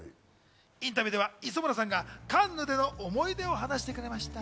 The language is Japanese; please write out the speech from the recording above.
インタビューでは磯村さんがカンヌでの思い出を話してくれました。